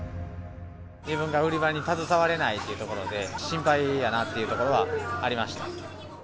自分が売り場に携われないというところで、心配だなというところはありました。